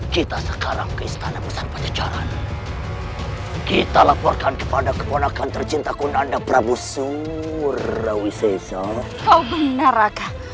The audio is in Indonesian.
kita laporkan kepada keponakan tercinta kunanda prabu surawisesa kau benar akan